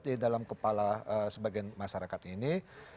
di dalam kepala sebagian masyarakat ini